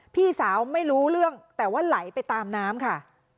พี่สาวไม่รู้เรื่องแต่ว่าไหลไปตามน้ำค่ะ